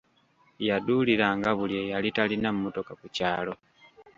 Yaduuliranga buli eyali talina mmotoka ku kyalo.